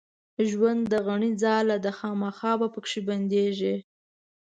ژوند د غڼي ځاله ده خامخا به پکښې بندېږې